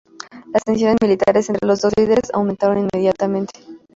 Las tensiones militares entre les dos líderes aumentaron inmediatamente.